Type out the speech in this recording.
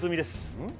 うん？